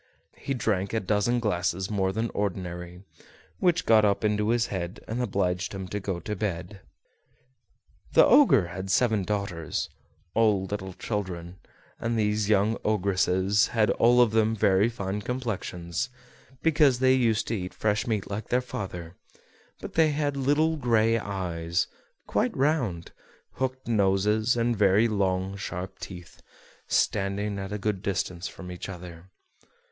He drank a dozen glasses more than ordinary, which got up into his head and obliged him to go to bed. The Ogre had seven daughters, all little children, and these young ogresses had all of them very fine complexions, because they used to eat fresh meat like their father; but they had little gray eyes, quite round, hooked noses, and very long sharp teeth, standing at a good distance from each other.